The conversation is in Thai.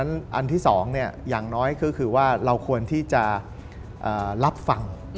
อันที่๒อย่างน้อยก็คือว่าเราควรที่จะรับฟัง